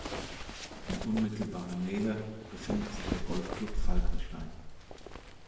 In unmittelbarer Nähe befindet sich der Golfclub Falkenstein.